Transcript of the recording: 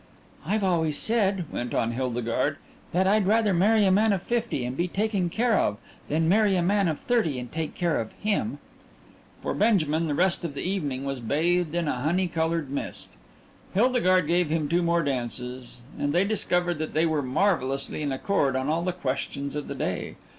"I've always said," went on Hildegarde, "that I'd rather marry a man of fifty and be taken care of than marry a man of thirty and take care of him." For Benjamin the rest of the evening was bathed in a honey coloured mist. Hildegarde gave him two more dances, and they discovered that they were marvellously in accord on all the questions of the day.